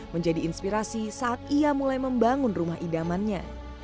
menjadi inspirasi saat ia mulai membangun rumah idamannya